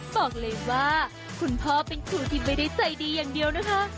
บอกเลยว่าคุณพ่อเป็นครูที่ไม่ได้ใจดีอย่างเดียวนะคะ